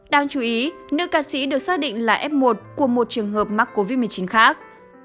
đáng chú ý nữ ca sĩ được xác định là f một của một trường hợp mắc covid một mươi chín khác